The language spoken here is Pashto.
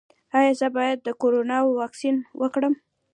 ایا زه باید د کرونا واکسین وکړم؟